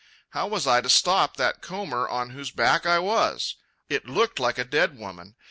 How was I to stop that comber on whose back I was? It looked like a dead woman.